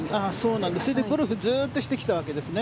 それでゴルフをずっとしてきたわけですね。